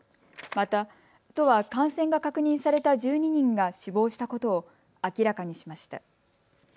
また都は感染が確認された１２人が死亡したことを明らかにしました。